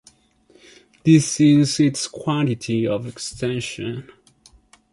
This is its quantity of extension.